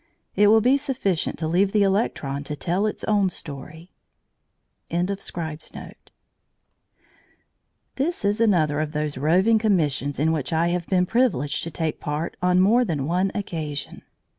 It will be sufficient to leave the electron to tell its own story. CHAPTER XII OUR HEAVIEST DUTIES This is another of those roving commissions in which I have been privileged to take part on more than one occasion.